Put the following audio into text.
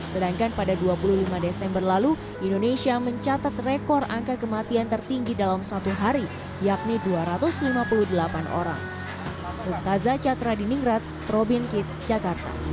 sedangkan pada dua puluh lima desember lalu indonesia mencatat rekor angka kematian tertinggi dalam satu hari yakni dua ratus lima puluh delapan orang